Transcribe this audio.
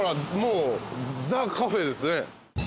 もうザ・カフェですね。